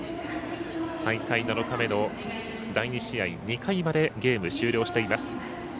大会７日目の第２試合２回までゲーム終了しています。